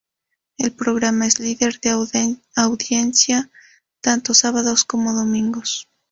El programa es líder de audiencia tanto sábados como domingos.